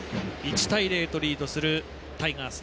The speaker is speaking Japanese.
１対０とリードするタイガース。